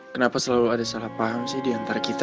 kenapa selalu ada salah paham sih diantara kita